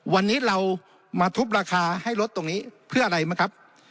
วันนี้เรามาทุบราคาให้ลดตรงนี้เพื่ออะไรมั้งครับ